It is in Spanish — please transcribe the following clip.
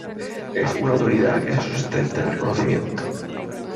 Es una autoridad que se sustenta en el conocimiento.